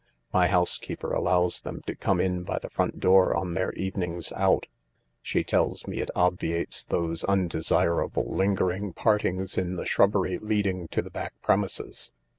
My housekeeper allows them to come in by the front door on their evenings out ; she tells me it obviates those undesirable lingering partings in the shrubbery leading to the back premises."